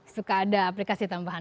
suka ada aplikasi tambahan